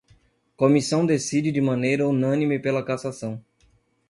Comissão decide de maneira unânime pela cassação